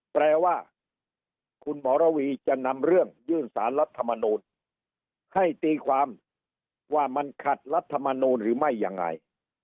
แปลว่าคุณหมอระวีจะนำเรื่องยื่นสารรัฐมนูลให้ตีความว่ามันขัดรัฐมนูลหรือไม่ยังไง